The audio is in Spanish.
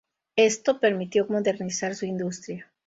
Esto permitió modernizar su industria.